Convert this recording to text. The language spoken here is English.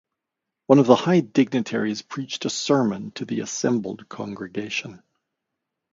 One of the high dignitaries preached a sermon to the assembled congregation.